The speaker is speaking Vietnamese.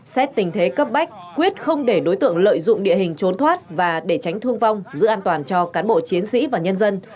xét tình thế cấp bách quyết không để đối tượng lợi dụng địa hình trốn thoát và để tránh thương vong giữ an toàn cho cán bộ chiến sĩ và nhân dân